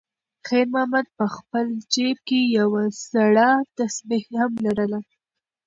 خیر محمد په خپل جېب کې یوه زړه تسبېح هم لرله.